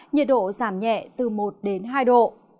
nhiệt độ giảm nhẹ từ một hai độ